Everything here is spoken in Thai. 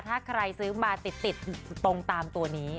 ถ้าใครซื้อมาติดตรงตามตัวนี้